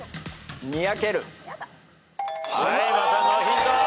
はいまたノーヒント。